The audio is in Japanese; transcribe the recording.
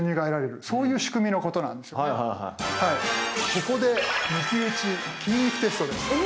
ここで「抜き打ち金育テスト」です。